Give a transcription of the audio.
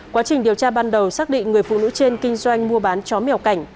quá trình điều tra ban đầu xác định người phụ nữ trên kinh doanh mua bán chó mèo cảnh